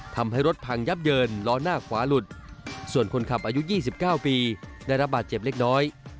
ทำให้รถพังยับเยินล้อหน้าขวาหลุดส่วนคนขับอายุ๒๙ปีได้รับบาดเจ็บเล็กน้อย